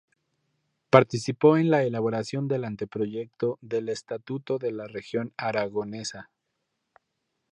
Participó en la elaboración del Anteproyecto del Estatuto de la Región Aragonesa.